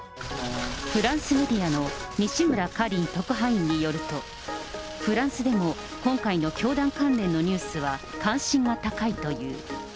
フランスメディアの西村カリン特派員によると、フランスでも、今回の教団関連のニュースは、関心が高いという。